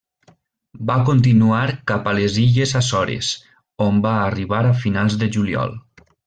Va continuar cap a les Illes Açores, on va arribar a finals de juliol.